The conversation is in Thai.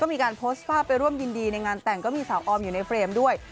มีการโพสต์ภาพไปร่วมยินดีในงานแต่งก็มีสาวออมอยู่ในเฟรมด้วย